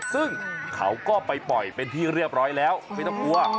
ซึ่งเขาก็ไปปล่อยเป็นที่เรียบร้อยแล้วไม่ต้องกลัว